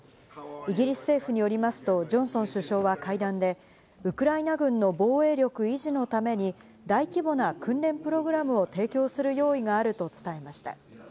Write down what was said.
イギリス政府によりますとジョンソン首相は会談で、ウクライナ軍の防衛力維持のために、大規模な訓練プログラムを提供する用意があると伝えました。